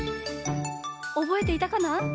おぼえていたかな？